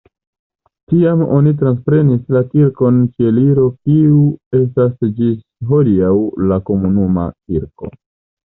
Tiam oni transprenis la Kirkon Ĉieliro kiu estas ĝis hodiaŭ la komunuma kirko.